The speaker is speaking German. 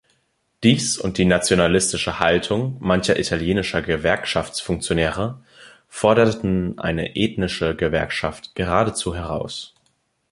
Dies und die nationalistische Haltung mancher italienischer Gewerkschaftsfunktionäre forderten eine ethnische Gewerkschaft geradezu heraus.